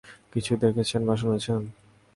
কিছু দেখেছেন বা শুনেছেন?